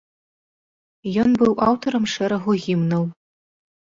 Ён быў аўтарам шэрагу гімнаў.